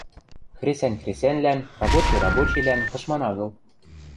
Хресӓнь хресӓньлӓн, рабочий рабочийлӓн тышман агыл...